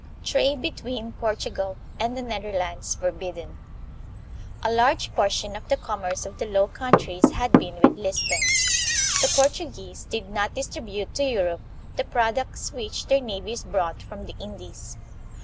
, Trade between Portugal and the Netherlands Forbidden. A large portion of the commerce of the Low Countries had been with Lisbon. The Portuguese did not distrib ute to Europe the products which their navies brought from the Indies.